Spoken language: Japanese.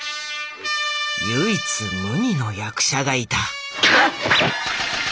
唯一無二の役者がいた。